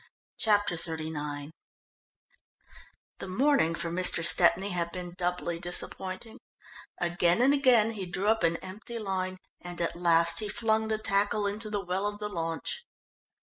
Chapter XXXIX The morning for Mr. Stepney had been doubly disappointing; again and again he drew up an empty line, and at last he flung the tackle into the well of the launch.